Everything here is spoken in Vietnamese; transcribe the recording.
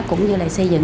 cũng như là xây dựng